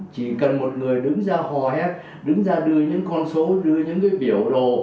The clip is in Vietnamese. chỉ cần một người đứng ra hò hét đứng ra đưa những con số đưa những cái biểu đó